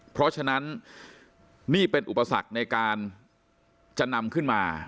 เพราะฉะนั้นนี่เป็นอุปสรรคในการจะนำขึ้นมา